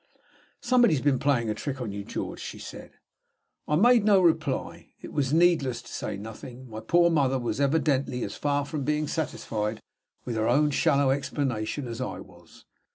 "Somebody has been playing a trick on you, George," she said. I made no reply. It was needless to say anything. My poor mother was evidently as far from being satisfied with her own shallow explanation as I was.